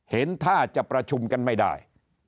เห็นท่าจะประชุมกันไม่ได้